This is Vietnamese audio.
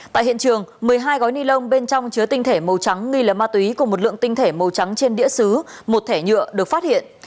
tại hiện trường một mươi hai gói ni lông bên trong chứa tinh thể màu trắng nghi là ma túy cùng một lượng tinh thể màu trắng trên đĩa xứ một thẻ nhựa được phát hiện